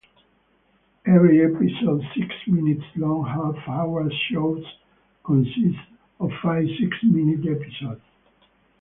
Every episode six minutes long, half-hour shows consist of five six-minute episodes.